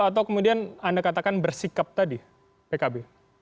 atau kemudian anda katakan bersikap tadi pkb